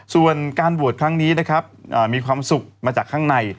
ส่วนการบวชครั้งนี้นะครับมีความสุขมาจากข้างใน